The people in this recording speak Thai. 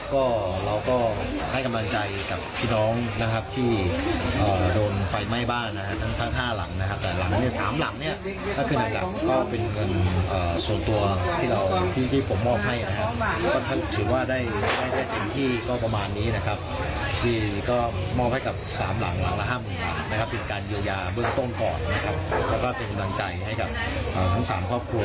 เขาก็เป็นกำลังใจให้กับทั้ง๓ครอบครัว